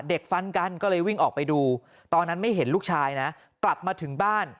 ฟันกันก็เลยวิ่งออกไปดูตอนนั้นไม่เห็นลูกชายนะกลับมาถึงบ้าน